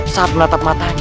saat meletak matanya